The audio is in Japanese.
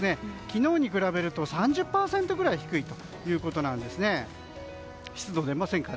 昨日に比べると３０％ぐらい低いということなんです。